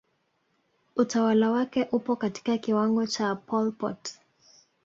Utawala wake upo katika kiwango cha Pol Pot